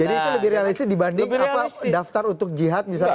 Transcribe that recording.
jadi itu lebih realistis dibanding daftar untuk jihad misalnya